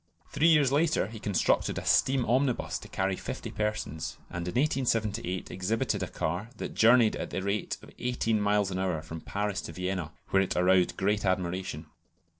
Three years later he constructed a steam omnibus to carry fifty persons, and in 1878 exhibited a car that journeyed at the rate of eighteen miles an hour from Paris to Vienna, where it aroused great admiration.